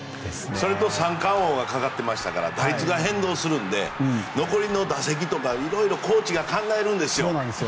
それと三冠王がかかってましたから打率が変動するので残りの打席とか色々コーチが考えるんです。